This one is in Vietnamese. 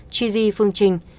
gigi phương trinh